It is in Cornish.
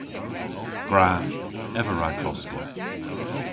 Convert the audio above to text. Gwra. Ev a wra koska.